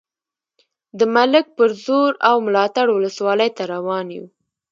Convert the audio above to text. د ملک په زور او ملاتړ ولسوالۍ ته روان یو.